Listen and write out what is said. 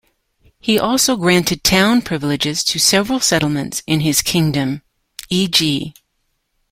He also granted town privileges to several settlements in his kingdom, "e.g.